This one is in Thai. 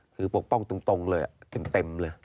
คือปกป้องตรงเลยเต็มเลย